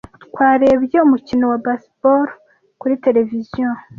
Twarebye umukino wa baseball kuri tereviziyo.